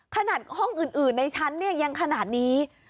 ขนาดห้องอื่นในชั้นเนี่ยยังขนาดนี้